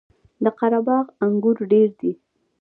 د قره باغ انګور ډیر دي